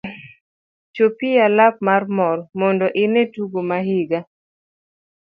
Chopi e alap mar mor mondo ine tugo ma higa.